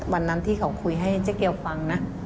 วันนั้นที่เขาคุยให้เจ๊เกียวฟังนะ